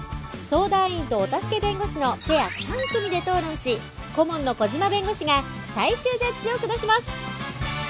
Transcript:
相談員とお助け弁護士のペア３組で討論し顧問の小島弁護士が最終ジャッジを下します